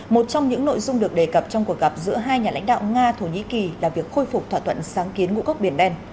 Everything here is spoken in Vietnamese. một trong những nội dung được đề cập trong cuộc gặp giữa hai nhà lãnh đạo nga thổ nhĩ kỳ là việc khôi phục thỏa thuận sáng kiến ngũ cốc biển đen